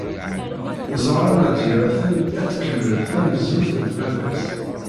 Ẓuhṛa n At Yiraten ad tkemmel tanezzut n baba-s.